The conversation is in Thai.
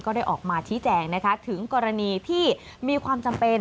ได้ออกมาชี้แจงนะคะถึงกรณีที่มีความจำเป็น